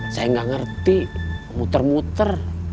saya nggak ngerti muter muter